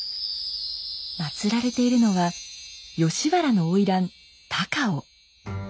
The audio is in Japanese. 祀られているのは吉原の花魁高尾。